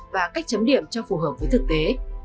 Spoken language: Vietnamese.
và cách chấm điểm cho phù hợp với thực tế